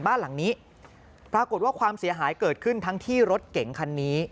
บ้านหลังนี้ปรากฏว่าความเสียหายเกิดขึ้นทั้งที่รถเก๋งคันนี้